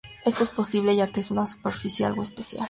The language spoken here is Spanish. Esto es posible ya que es una superficie algo "especial".